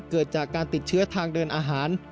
เกิดจากการติดเชื้อทางเดินอาหาร